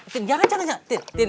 tin jangan jangan jangan